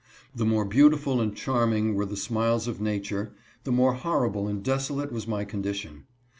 The more beautiful and charming were the smiles of nature, the more hor rible and desolate was my condition.